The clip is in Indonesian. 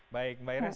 baik mbak iris